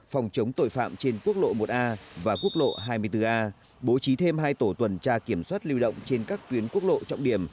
phòng chống tội phạm trên quốc lộ một a và quốc lộ hai mươi bốn a bố trí thêm hai tổ tuần tra kiểm soát lưu động trên các tuyến quốc lộ trọng điểm